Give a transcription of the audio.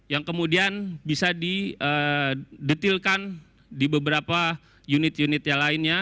yang kemudian bisa didetilkan di beberapa unit unit yang lainnya